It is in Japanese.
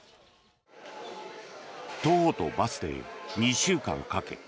徒歩とバスで２週間かけ